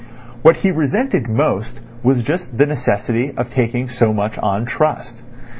What he resented most was just the necessity of taking so much on trust.